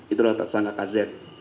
itulah tersangka kz